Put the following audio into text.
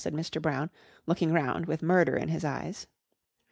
said Mr. Brown looking round with murder in his eyes.